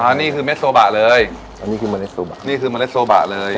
อ่านี่แหละครับ